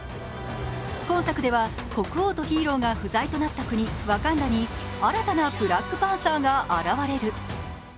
今作では、国王とヒーローが不在となった国・ワカンダに新たなブラックパンサーが現れる。